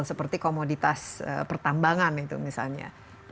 seperti komoditas pertambangan itu misalnya